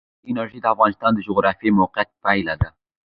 بادي انرژي د افغانستان د جغرافیایي موقیعت پایله ده.